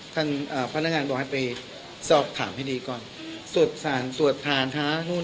แสดงว่าครูยินยังว่าครูไปแจ้งความตั้งแต่เกียรติวันที่หนึ่ง